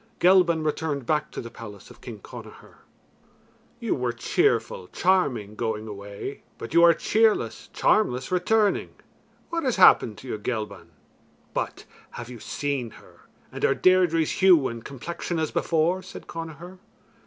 Gelban returned back to the palace of King Connachar. "You were cheerful, charming, going away, but you are cheerless, charmless, returning. What has happened to you, Gelban? But have you seen her, and are Deirdre's hue and complexion as before?" said Connachar.